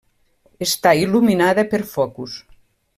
Està il·luminada per focus.